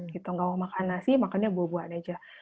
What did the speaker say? gak mau makan nasi makannya buah buahan aja